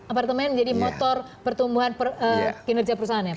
apartemen menjadi motor pertumbuhan kinerja perusahaan ya pak